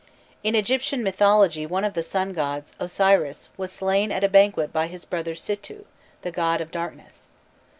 In Egyptian mythology one of the sun gods, Osiris, was slain at a banquet by his brother Sîtou, the god of darkness.